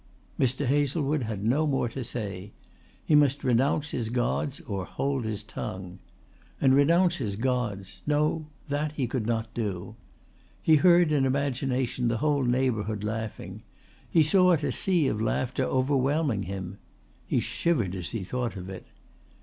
Mr. Hazlewood had no more to say. He must renounce his gods or hold his tongue. And renounce his gods no, that he could not do. He heard in imagination the whole neighbourhood laughing he saw it a sea of laughter overwhelming him. He shivered as he thought of it.